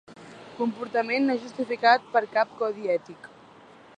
Comportament no justificat per cap codi ètic.